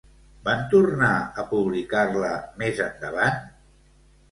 Van tornar a publicar-la més endavant?